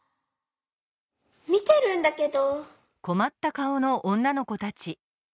みてるんだけど。